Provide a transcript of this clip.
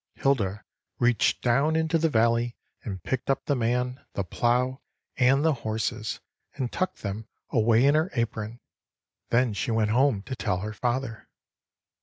Hilda reached down into the valley and picked up the man, the plow, and the horses, and tucked them away in her apron. Then she went home to tell her father.